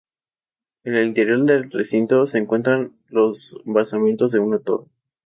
En el interior del recinto se encuentran los basamentos de una torre.